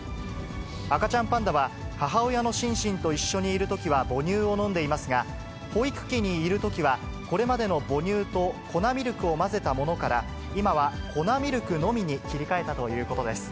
赤ちゃんパンダは母親のシンシンと一緒にいるときは母乳を飲んでいますが、保育器にいるときは、これまでの母乳と粉ミルクを混ぜたものから、今は粉ミルクのみに切り替えたということです。